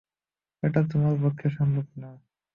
এটা তোমার পক্ষে সম্ভব না।